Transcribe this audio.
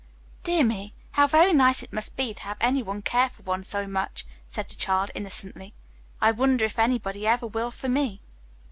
"Dear me, how very nice it must be to have anyone care for one so much," said the child innocently. "I wonder if anybody ever will for me?"